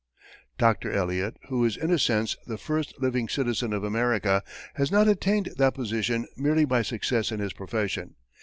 Dr. Eliot, who is in a sense the first living citizen of America, has not attained that position merely by success in his profession.